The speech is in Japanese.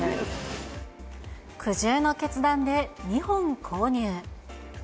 苦渋の決断で２本購入。